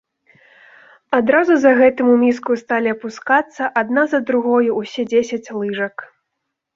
Адразу за гэтым у міску сталі апускацца адна за другою ўсе дзесяць лыжак.